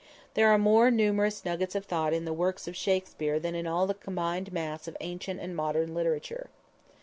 There are more numerous nuggets of thought in the works of Shakspere than in all the combined mass of ancient and modern literature.